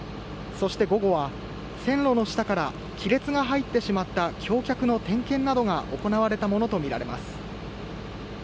そして午後は線路の下から亀裂が入ってしまった橋脚の点検などが行われたものとみられます。